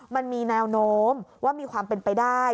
มันมีแนวโน้มว่ามีความเป็นไปได้